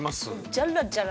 ジャラジャラ。